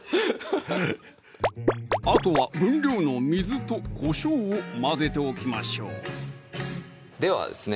あとは分量の水とこしょうを混ぜておきましょうではですね